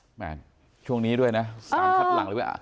แหมนช่วงนี้ด้วยนะ๓ขัดหลังเลย